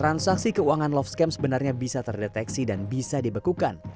transaksi keuangan love scam sebenarnya bisa terdeteksi dan bisa dibekukan